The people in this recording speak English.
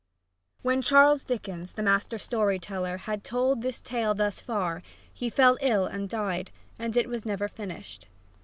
_When Charles Dickens, the master story teller, had told this tale thus far, he fell ill and died, and it was never finished.